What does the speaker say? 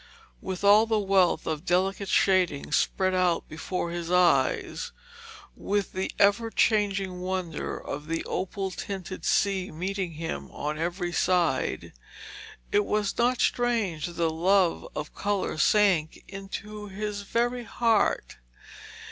With all the wealth of delicate shading spread out before his eyes, with the ever changing wonder of the opal tinted sea meeting him on every side, it was not strange that the love of colour sank into his very heart.